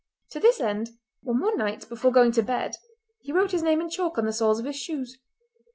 To this end on one night before going to bed he wrote his name in chalk on the soles of his shoes.